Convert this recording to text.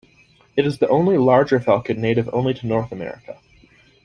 It is the only larger falcon native only to North America.